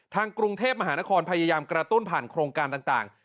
กรุงเทพมหานครพยายามกระตุ้นผ่านโครงการต่าง